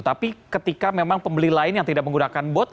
tapi ketika memang pembeli lain yang tidak menggunakan bot